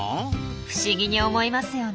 不思議に思いますよね。